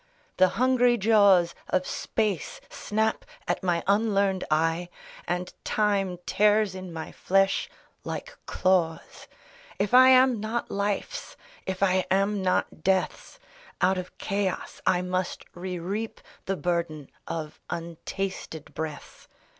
The hungry jaws Of space snap at my unlearned eye. And time tears in my flesh like claws. If I am not life's, if I am not death's, Out of chaos I must re reap The burden of untasted breaths.